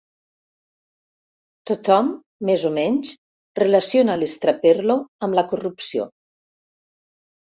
Tothom, més o menys, relaciona l'estraperlo amb la corrupció.